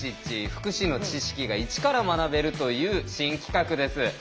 福祉の知識が一から学べるという新企画です。